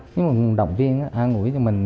nó cũng động viên an ủi cho mình